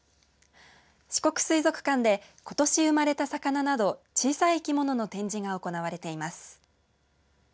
四国水族館でことし生まれた魚など小さい生き物の展示が行われています。